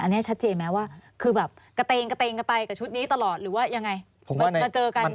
อันนี้ชัดเจนมั้ยว่ากระเตงกับลิบนี้ตลอดไม่เจอกัน